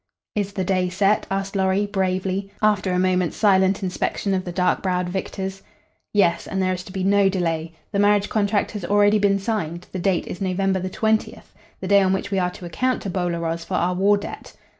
"Is the day set?" asked Lorry, bravely, after a moments silent inspection of the dark browed victors. "Yes, and there is to be no delay. The marriage contract has already been signed. The date is November 20th, the day on which we are to account to Bolaroz for our war debt.